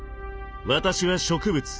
私は植物。